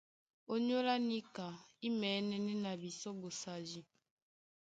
Ónyólá níka í mɛ̌nɛ́nɛ́ na bisɔ́ ɓosadi.